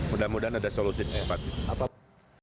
mudah mudahan ada solusi secepatnya